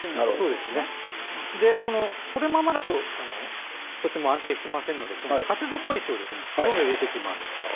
このままだととても安定しませんので鉢底石をどんどん入れていきます。